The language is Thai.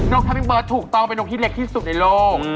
กแฮปปี้เบิร์ตถูกต้องเป็นนกที่เล็กที่สุดในโลก